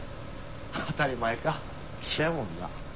当たり前か騎手やもんな。